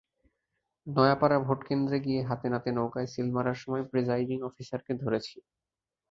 নয়াপাড়া ভোটকেন্দ্রে গিয়ে হাতেনাতে নৌকায় সিল মারার সময় প্রিসাইডিং অফিসারকে ধরেছি।